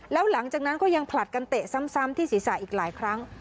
แล้วหลังจากนั้นก็ยังผลัดกันเตะซ้ำที่ศีรษะอีกหลายครั้ง